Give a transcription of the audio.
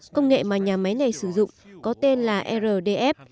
công nghệ mà nhà máy này sử dụng có tên là rdf